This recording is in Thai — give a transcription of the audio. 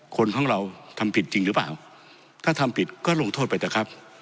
คนของเราทำผิดจริงหรือเปล่าถ้าทำผิดก็ลงโทษไปเถอะครับ